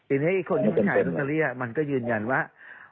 ทีนี้คนที่ไปขายลอตเตอรี่มันก็ยืนยันว่า